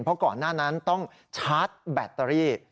เพราะก่อนหน้านั้นต้องชาร์จแบตเตอรี่